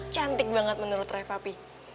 cantik banget menurut reva pi